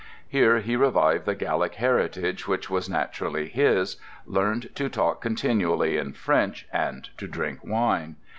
Here he revived the Gallic heritage which was naturally his, learned to talk continually in French, and to drink wine.